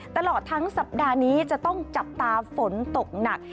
ตลอดทั้งสัปดาห์นี้จะต้องจับตาฝนตกหนัก